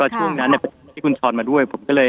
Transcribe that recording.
ช่วงนั้นที่คุณถอนมาด้วย